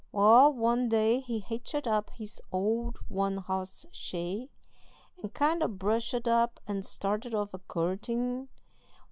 Wal, one day he hitched up his old one hoss shay, and kind o' brushed up, and started off a courtin'.